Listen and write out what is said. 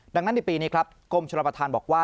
ดังนั้นในปีนี้ครับกรมชนประธานบอกว่า